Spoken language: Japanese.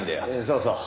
そうそう。